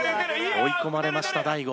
追い込まれました大悟。